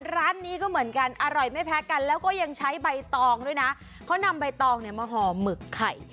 ร้านนี้ก็เหมือนกันอร่อยไม่แพ้กันแล้วก็ยังใช้ใบตองด้วยนะเขานำใบตองเนี่ยมาห่อหมึกไข่